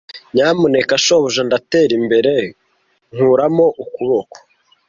nyamuneka shobuja ndatera imbere nkuramo ukuboko